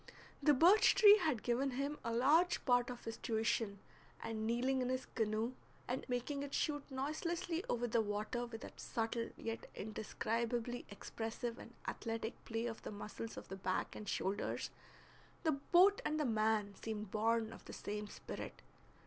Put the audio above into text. The birch tree had given him a large part of his tuition, and kneeling in his canoe and making it shoot noiselessly over the water with that subtle yet indescribably expressive and athletic play of the muscles of the back and shoulders, the boat and the man seemed born of the same spirit.